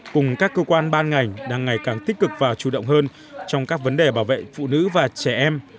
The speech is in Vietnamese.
cùng các cơ quan ban ngành đang ngày càng tích cực và chủ động hơn trong các vấn đề bảo vệ phụ nữ và trẻ em